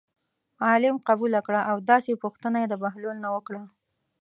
عالم قبول کړه او داسې پوښتنه یې د بهلول نه وکړه.